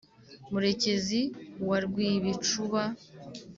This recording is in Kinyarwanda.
murekezi wa rwibicuba